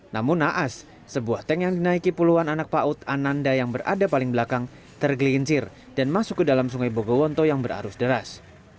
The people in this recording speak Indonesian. namun naas sebuah tank yang dinaiki puluhan anak paut ananda yang berada paling belakang tergelincir dan masuk ke dalam sungai bogowonto yang berarus deras